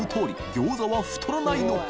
餃子は太らないのか？